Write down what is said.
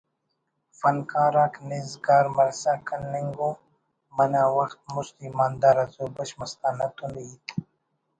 فنکار آک نیزگار مرسا کننگ ءُ منہ وخت مست ایماندار حضور بخش مستانہ تون ہیت